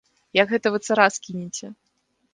Як гэта вы цара скінеце?!